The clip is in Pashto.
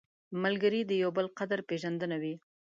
ملګری د یو بل قدر پېژندنه وي